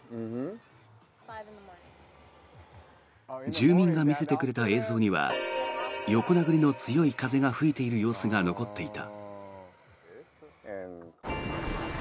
住民が見せてくれた映像には横殴りの強い風が吹いている様子が残っていた。